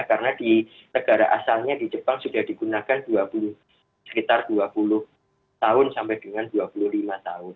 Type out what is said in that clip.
karena di negara asalnya di jepang sudah digunakan sekitar dua puluh tahun sampai dengan dua puluh lima tahun